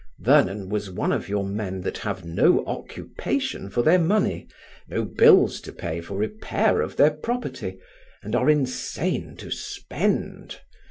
Vernon was one of your men that have no occupation for their money, no bills to pay for repair of their property, and are insane to spend.